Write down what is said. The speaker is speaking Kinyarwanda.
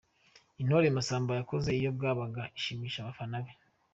Intore Masamba yakoze iyo bwabaga ashimisha abafana be.